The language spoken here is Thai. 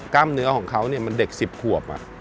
กล้ามเนื้อของเขามันเด็ก๑๐ขวบ